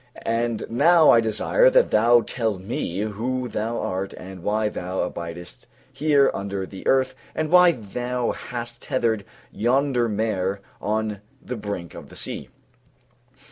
And now I desire that thou tell me who thou art, and why thou abidest here under the earth, and why thou hast tethered yonder mare on the brink of the sea."